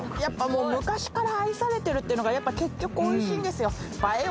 もう昔から愛されてるっていうのがやっぱ結局おいしいんですよ